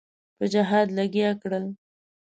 په جهاد لګیا کړل.